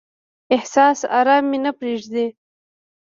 احساس ارام مې نه پریږدي.